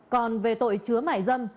còn về tội chứa mải dâm